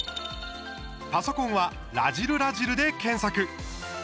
パソコンは「らじるらじる」で検索。